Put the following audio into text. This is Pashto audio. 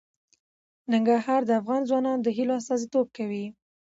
ننګرهار د افغان ځوانانو د هیلو استازیتوب کوي.